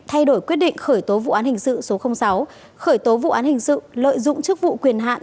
thay đổi quyết định khởi tố vụ án hình sự số sáu khởi tố vụ án hình sự lợi dụng chức vụ quyền hạn